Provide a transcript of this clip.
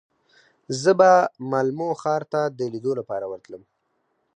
زه به مالمو ښار ته د لیدو لپاره ورتلم.